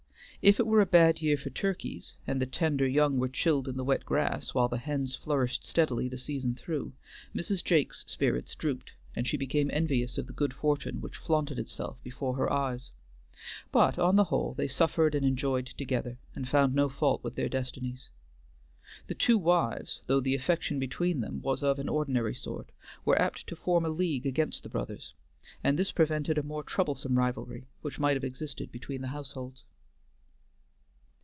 If it were a bad year for turkeys, and the tender young were chilled in the wet grass, while the hens flourished steadily the season through, Mrs. Jake's spirits drooped and she became envious of the good fortune which flaunted itself before her eyes, but on the whole, they suffered and enjoyed together, and found no fault with their destinies. The two wives, though the affection between them was of an ordinary sort, were apt to form a league against the brothers, and this prevented a more troublesome rivalry which might have existed between the households.